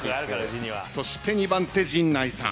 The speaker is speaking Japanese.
そして２番手陣内さん。